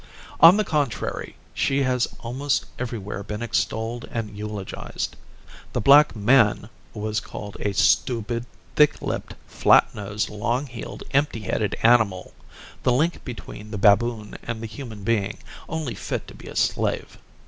On the contrary, she has almost everywhere been extolled and eulogized. The black man was called a stupid, thick lipped, flat nosed, long heeled, empty headed animal; the link between the baboon and the human being, only fit to be a slave!